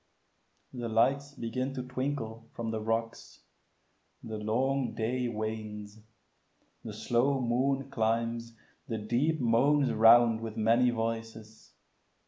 The lights begin to twinkle from the rocks; The long day wanes; the slow moon climbs; the deep Moans round with many voices.